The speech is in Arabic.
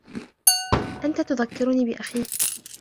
أنت تذكرني بأخيك.